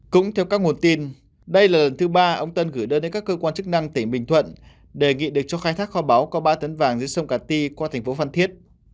cũng theo các nguồn tin đây là lần thứ ba ông tân gửi đơn đến các cơ quan chức năng tỉnh bình thuận đề nghị được cho khai thác kho báo có ba tấn vàng giữa sông cà ti qua thành phố phan thiết